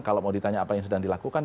kalau mau ditanya apa yang sedang dilakukan